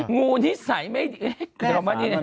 งูนิสัยไม่ดี